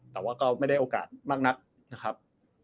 แต่ว่าก็ไม่ได้โอกาสมากนักนะครับ